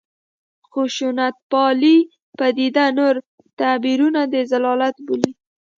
خشونتپالې پدیده نور تعبیرونه د ضلالت بولي.